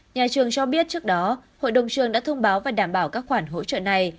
nhà trường cho biết trước đó hội đồng trường đã thông báo và đảm bảo các khoản hỗ trợ này